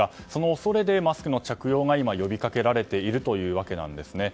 それでマスクの着用が今、呼びかけられているというわけなんですね。